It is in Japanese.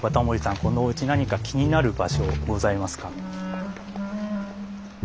このおうち何か気になる場所ございますかね？